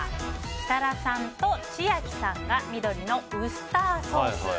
設楽さんと千秋さんが緑のウスターソース。